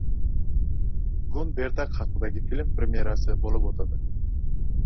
Bugun Berdaq haqidagi film premyerasi bo‘lib o‘tadi